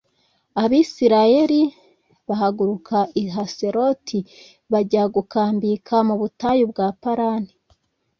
Abisirayeli bahaguruka i Haseroti p bajya gukambika mu butayu bwa Parani